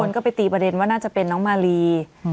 ก็ไปตีประเด็นว่าน่าจะเป็นน้องมาลี